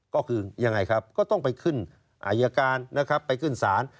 ก็คือยังไงครับก็ต้องไปขึ้นอายการนะครับไปขึ้นศาล